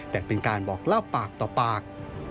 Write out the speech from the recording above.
แต่เป็นการบอกเล่าปากต่อปาก